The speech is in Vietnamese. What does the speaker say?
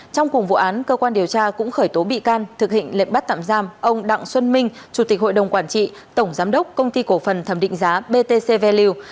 trong cùng vụ án cơ quan điều tra cũng khởi tố bị can thực hình lệnh bắt tạm giam ông đặng xuân minh chủ tịch hội đồng quản trị tổng giám đốc công ty cổ phần thẩm định giá btc value